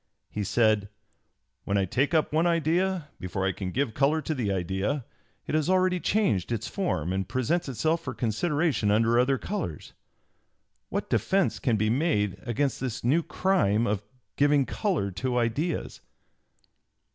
he said: "When I take up one idea, before I can give color to the idea, it has already changed its form and presents itself for consideration under other colors.... What defence can be made against this new crime of giving color to ideas?"